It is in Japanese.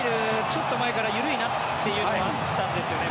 ちょっと前から緩いなというのはあったんですよね